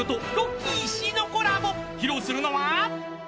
［披露するのは］